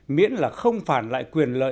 miễn là không phản lại quyền lợi